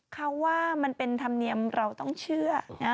เขาว่ามันเป็นธรรมเนียมเราต้องเชื่อ